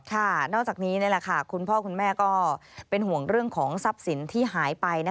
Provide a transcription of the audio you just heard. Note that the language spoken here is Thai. นอกจากนี้นี่แหละค่ะคุณพ่อคุณแม่ก็เป็นห่วงเรื่องของทรัพย์สินที่หายไป